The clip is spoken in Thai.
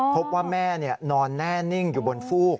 พบว่าแม่นอนแน่นิ่งอยู่บนฟูก